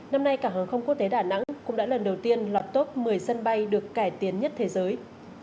năm nay cảng hàng không quốc tế đà nẵng cũng đã lần đầu tiên lọt top một mươi sân bay được cải tiến nhất thế giới